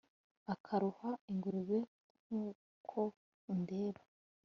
Akaroha ingurube nkukwo undeba